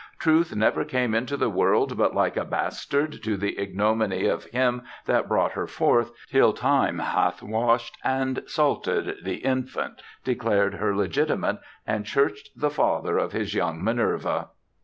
"truth never came into the world but, like a bastard, to the ignominy of him that brought her forth, till time hath washed and salted the infant, declared her legitimate, and churched the father of his young Minerva."